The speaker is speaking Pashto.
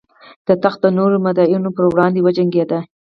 د تخت د نورو مدعیانو پر وړاندې وجنګېد.